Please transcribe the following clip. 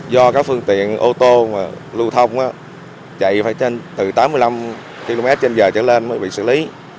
do các phương tiện ô tô lưu thông chạy phải từ tám mươi năm km trên giờ chạy lên mới bị xử lý